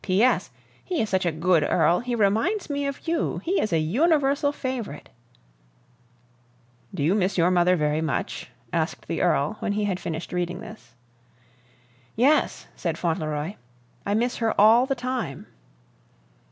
"p s he is such a good earl he reminds me of you he is a unerversle favrit" "Do you miss your mother very much?" asked the Earl when he had finished reading this. "Yes," said Fauntleroy, "I miss her all the time."